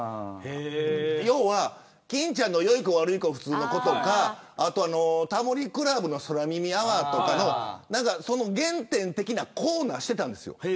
要は欽ちゃんの良い子悪い子普通の子とかタモリ倶楽部の空耳アワーとかのその原点的なコーナーをしてたんです。